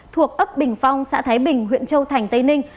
thuộc ấp bình phong xã thái bình huyện châu thành tây ninh